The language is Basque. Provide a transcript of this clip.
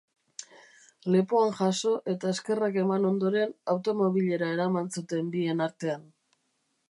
Lepoan jaso eta eskerrak eman ondoren, automobilera eraman zuten bien artean.